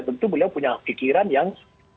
tentu beliau punya pikiran yang